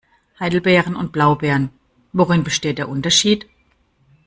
Heidelbeeren und Blaubeeren - worin besteht der Unterschied?